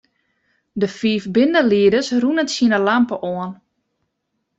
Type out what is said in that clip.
De fiif bindelieders rûnen tsjin 'e lampe oan.